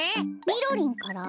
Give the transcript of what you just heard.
みろりんから？